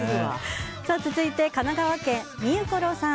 続いて、神奈川県の方。